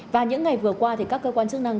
và những ngày vừa qua thì các cơ quan chức năng